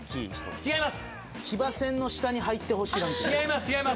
違います！